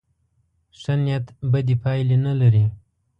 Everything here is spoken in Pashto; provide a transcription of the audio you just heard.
ښه نیت بدې پایلې نه لري.